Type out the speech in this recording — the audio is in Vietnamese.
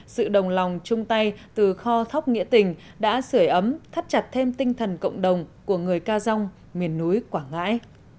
sự đồng lòng chung tay từ kho thóc nghĩa tình đã sửa ấm thắt chặt thêm tinh thần cộng đồng của người ca rong miền núi quảng ngãi